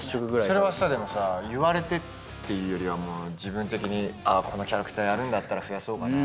それは言われてというよりは、自分的にこのキャラクターやるんだったら増やそうかなと？